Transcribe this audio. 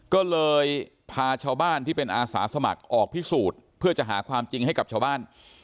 ก็เลยพาชาวบ้านที่เป็นอาสาสมัครออกพิสูจน์เพื่อจะหาความจริงให้กับชาวบ้าน